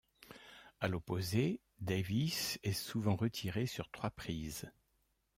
À l'opposé, Davis est souvent retiré sur trois prises.